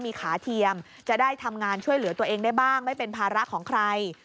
มีขาเทียมจะได้ทำงานช่วยเหลือตัวเองได้บ้างไม่เป็นภาระของใคร